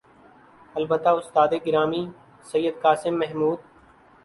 البتہ استاد گرامی سید قاسم محمود